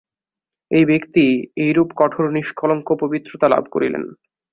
এই ব্যক্তি এইরূপ কঠোর নিষ্কলঙ্ক পবিত্রতা লাভ করিলেন।